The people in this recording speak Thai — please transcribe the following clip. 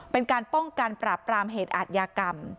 เป็นการป้องกันปราบปรามเหตุอาทยากรรม